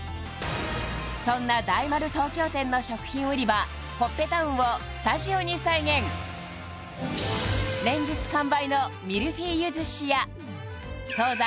そんな大丸東京店の食品売り場ほっぺタウンをスタジオに再現連日完売のミルフィーユ寿司や惣菜